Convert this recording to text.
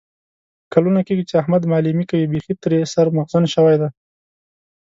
کلونه کېږي چې احمد معلیمي کوي. بیخي ترې سر مغزن شوی دی.